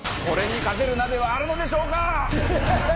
これに勝てる鍋はあるのでしょうか！？